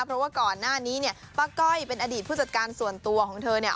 เพราะว่าก่อนหน้านี้เนี่ยป้าก้อยเป็นอดีตผู้จัดการส่วนตัวของเธอเนี่ย